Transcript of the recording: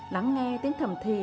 lắng nghe tiếng thầm thì